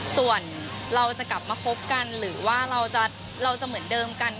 ส่วนเราจะกลับมาคบกันหรือว่าเราจะเหมือนเดิมกัน